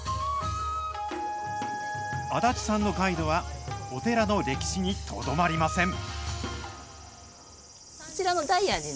安達さんのガイドはお寺の歴史にとどまりません。